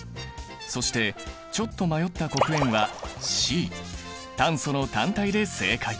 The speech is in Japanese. そしてちょっと迷った黒鉛はＣ炭素の単体で正解！